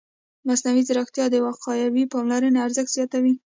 مصنوعي ځیرکتیا د وقایوي پاملرنې ارزښت زیاتوي.